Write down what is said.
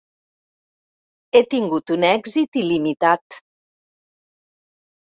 He tingut un èxit il·limitat...